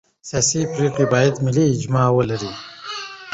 سیاسي پرېکړې باید ملي اجماع ولري